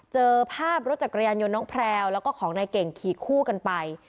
เจอภาพรถจักรยานยนต์น้องแพลวแล้วก็ของนายเก่งขี่คู่กันไป